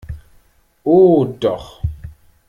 Oh doch!